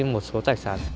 trong một số trạch sản